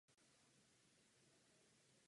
První vznikly přestavbou civilních plavidel.